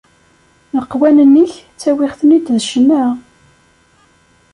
Leqwanen-ik, ttawiɣ-ten-id d ccna.